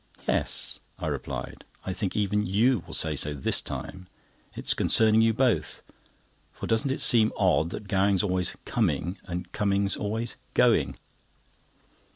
"Yes," I replied; "I think even you will say so this time. It's concerning you both; for doesn't it seem odd that Gowing's always coming and Cummings' always going?"